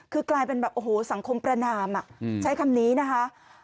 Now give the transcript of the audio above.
คือกลายเป็นแบบโอ้โหสังคมประนามใช้คำนี้นะคะ